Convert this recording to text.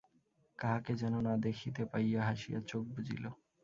কাহাকে যেন না দেখিতে পাইয়া হাসি চোখ বুজিল।